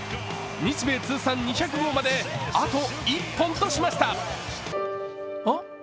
日米通算２００号まで、あと１本としました。